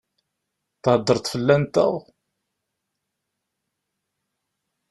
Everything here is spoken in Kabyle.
Theddṛeḍ fell-anteɣ?